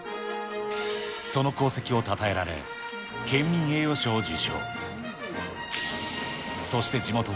その功績をたたえられ、県民栄誉賞を受賞。